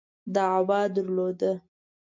دعوه درلوده.